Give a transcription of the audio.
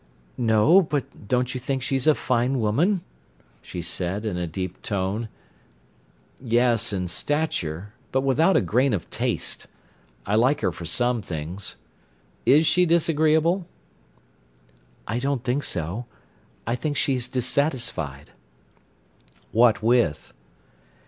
"No, but don't you think she's a fine woman?" she said, in a deep tone, "Yes—in stature. But without a grain of taste. I like her for some things. Is she disagreeable?" "I don't think so. I think she's dissatisfied." "What with?"